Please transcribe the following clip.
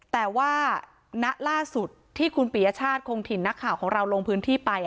แต่ว่าณล่าสุดที่คุณปียชาติคงถิ่นนักข่าวของเราลงพื้นที่ไป